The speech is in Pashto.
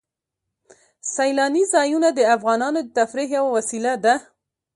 سیلانی ځایونه د افغانانو د تفریح یوه وسیله ده.